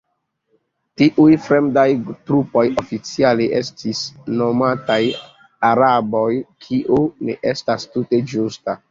Tiuj fremdaj trupoj oficiale estis nomataj "araboj", kio ne estas tute ĝusta.